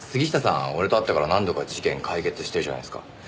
俺と会ってから何度か事件解決してるじゃないですか。